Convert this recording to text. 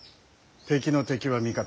敵の敵は味方。